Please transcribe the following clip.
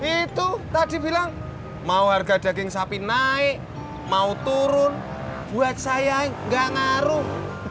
itu tadi bilang mau harga daging sapi naik mau turun buat saya nggak ngaruh